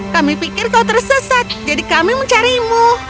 kami pikir kau tersesat jadi kami mencarimu